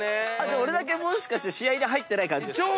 俺だけもしかして試合に入ってない感じ？